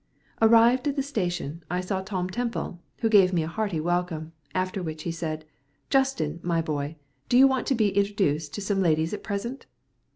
Arrived at the station, I saw Tom Temple, who gave me a hearty welcome, after which he said, "Justin, my boy, do you want to be introduced to some ladies at present?"